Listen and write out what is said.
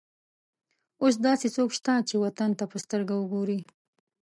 اوس داسې څوک شته چې وطن ته په سترګه وګوري.